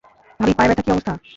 ভাবি পায়ের ব্যাথার কী অবস্থা?